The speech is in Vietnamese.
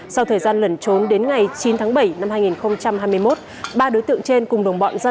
sau thời gian lẩn trốn đến ngày chín tháng bảy năm hai nghìn hai mươi một ba đối tượng trên cùng đồng bọn ra